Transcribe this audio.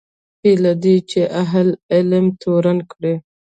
بې له دې چې اهل علم تورن کړي.